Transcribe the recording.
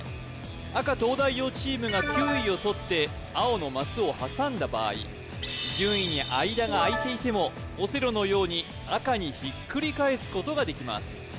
赤東大王チームが９位をとって青のマスを挟んだ場合順位に間が空いていてもオセロのように赤にひっくり返すことができます